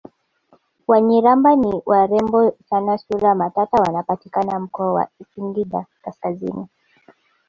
Wanyiramba ni warembo sana sura matata wanapatikana mkoa wa singida kaskazini